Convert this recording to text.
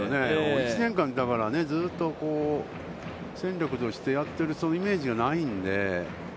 １年間ずっと戦力としてやってるイメージがないんで。